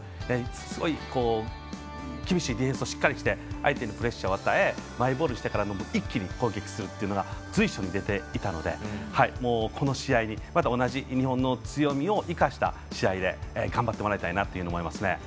すごい厳しいディフェンスをしっかりして相手にプレッシャーを与えマイボールにしてから一気に攻撃する形が随所に出ていたのでまた同じ日本の強みを生かした試合で頑張ってもらいたいなと思いますね。